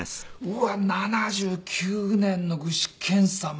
うわこの時の具志堅さん。